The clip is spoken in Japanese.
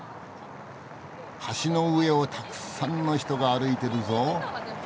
橋の上をたくさんの人が歩いてるぞ。